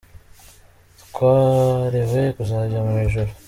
Twarewe kuzajya mu ijuru.